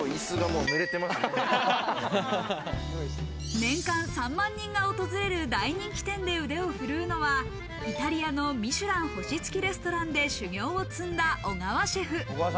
年間３万人が訪れる大人気店で腕を振るうのは、イタリアのミシュラン星付きレストランで修業を積んだ小川シェフ。